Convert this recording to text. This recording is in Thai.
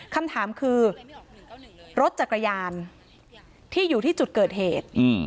คำถามคือรถจักรยานที่อยู่ที่จุดเกิดเหตุ